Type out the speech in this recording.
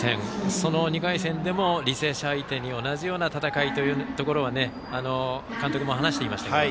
その２回戦でも、履正社相手に同じような戦いというところは監督も話していました。